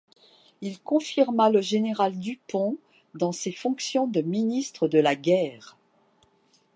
Il confirma le général Dupont dans ses fonctions de ministre de la guerre.